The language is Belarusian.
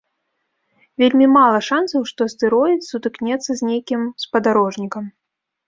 Вельмі мала шансаў, што астэроід сутыкнецца з нейкім спадарожнікам.